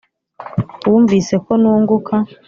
Wumvise ko nunguka